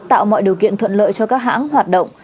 tạo mọi điều kiện thuận lợi cho các hãng hoạt động